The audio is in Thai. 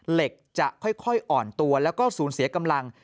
เหล็กจะค่อยอ่อนตัวแล้วก็สูญเสียกำลัง